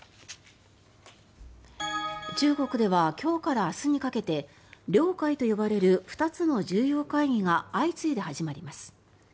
中国では今日から明日にかけて両会と呼ばれる２つの重要会議が相次いで始まります。